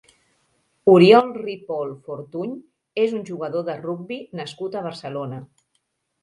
Oriol Ripol Fortuny és un jugador de rugbi nascut a Barcelona.